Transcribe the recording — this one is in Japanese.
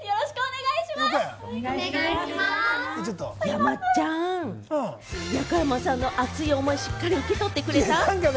山ちゃん、横山さんの熱い思い、しっかり受け取ってくれた？